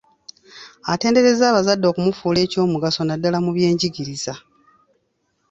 Atenderezza abazadde olw’okumufuula eky’omugaso naddala mu byenjigiriza.